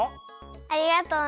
ありがとうね。